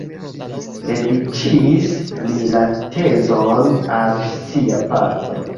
Dediĉis li la tezon al sia patro.